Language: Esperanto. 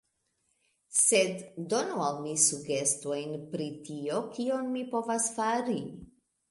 Sed, donu al mi sugestojn, pri tio, kion mi povas fari.